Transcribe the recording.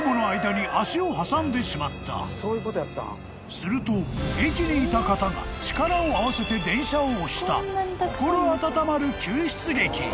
［すると駅にいた方が力を合わせて電車を押した心温まる］